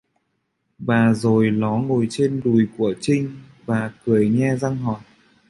Và vừa rồi nó ngồi trên đùi của trinh và cười nhe răng hỏi